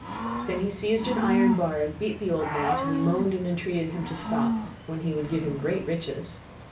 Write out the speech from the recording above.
Then he seized an iron bar and beat the old man till he moaned and entreated him to stop, when he would give him great riches.